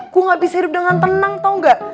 gue gak bisa hidup dengan tenang tau gak